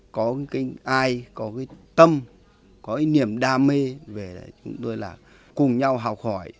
có cái ai có cái tâm có cái niềm đam mê về chúng tôi là cùng nhau học hỏi